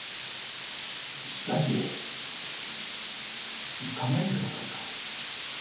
しかしよく考えてくださいよ。